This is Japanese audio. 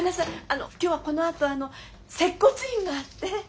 あの今日はこのあと接骨院があって。